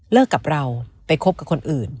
กับเราไปคบกับคนอื่น